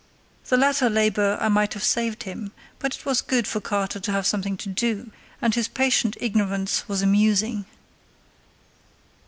The latter labour I might have saved him, but it was good for Carter to have something to do; and his patient ignorance was amusing.